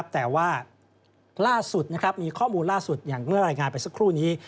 แต่ว่าล่าสุดมีข้อมูลล่าสุดอย่างเมื่อรายงานไปสักครู่นี้